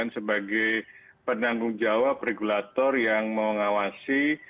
sebagai penanggung jawab regulator yang mengawasi